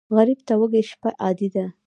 غریب ته وږې شپه عادي ده